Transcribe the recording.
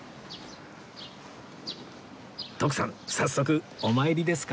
徳さん早速お参りですか？